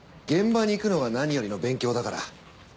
現場に行くのがなによりの勉強だから。